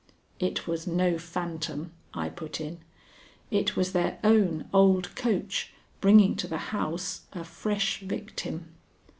"It was no phantom," I put in. "It was their own old coach bringing to the house a fresh victim."